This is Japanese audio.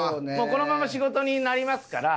このまま仕事になりますから。